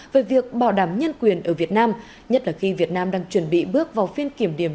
về việc bảo đảm nhân quyền ở việt nam nhất là khi việt nam đang chuẩn bị bước vào phiên kiểm điểm